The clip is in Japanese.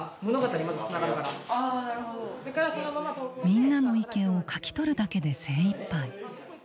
みんなの意見を書き取るだけで精いっぱい。